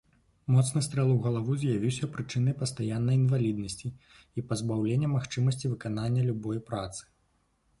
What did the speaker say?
Моцны стрэл у галаву з'явіўся прычынай пастаяннай інваліднасці і пазбаўлення магчымасці выканання любой працы.